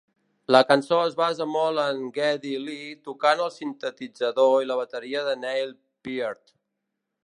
La cançó es basa molt en Geddy Lee tocant el sintetitzador i la bateria de Neil Peart.